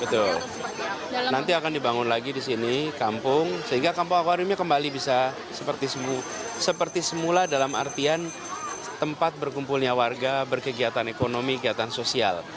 betul nanti akan dibangun lagi di sini kampung sehingga kampung akwariumnya kembali bisa seperti semula dalam artian tempat berkumpulnya warga berkegiatan ekonomi kegiatan sosial